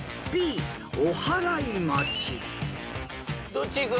どっちいく？